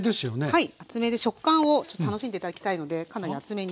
はい。